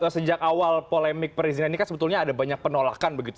sejak awal polemik perizinan ini kan sebetulnya ada banyak penolakan begitu